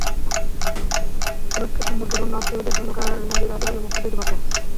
আগে রক্তের সম্পর্কের অন্য আত্মীয়দের জন্য কারাগারের বন্দীরা প্যারোলে মুক্তি পেতে পারতেন।